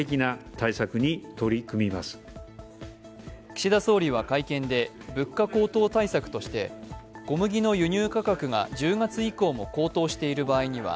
岸田総理は会見で、物価高騰対策として、小麦の輸入価格が１０月以降も高騰している場合には